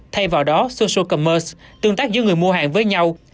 thay vào đó social commerce tương tác giữa người mua hàng với nhau